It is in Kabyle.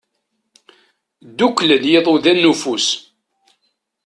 Dduklen yiḍudan n ufus.